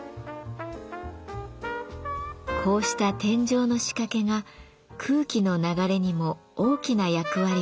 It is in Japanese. こうした天井の仕掛けが空気の流れにも大きな役割を果たします。